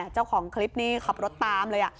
เจ้าของคลิปนี้ขับรถตามเลย